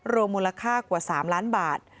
รวมมูลค่ากว่า๓ล้านบาท